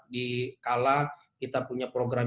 di kala kita punya program